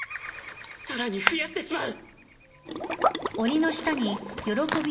さらに増やしてしまう！